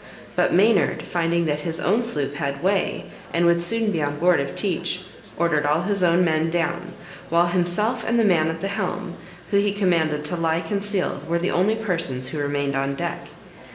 But Maynard finding that his own sloop had way, and would soon be on board of Teach, ordered all his men down, while himself and the man at the helm, who he commanded to lie concealed, were the only persons who remained on deck.